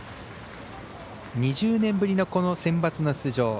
２０年ぶりのセンバツの出場。